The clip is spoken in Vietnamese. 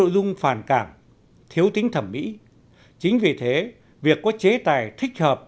dùng phàn cảm thiếu tính thẩm mỹ chính vì thế việc có chế tài thích hợp